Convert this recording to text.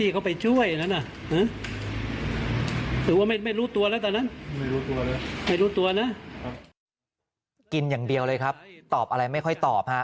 กินอย่างเดียวเลยครับตอบอะไรไม่ค่อยตอบฮะ